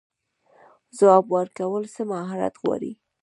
ځواب ورکول څه مهارت غواړي؟